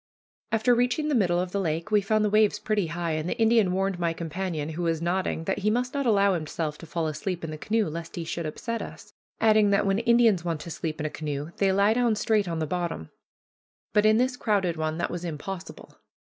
After reaching the middle of the lake, we found the waves pretty high, and the Indian warned my companion, who was nodding, that he must not allow himself to fall asleep in the canoe lest he should upset us; adding, that when Indians want to sleep in a canoe, they lie down straight on the bottom. But in this crowded one that was impossible.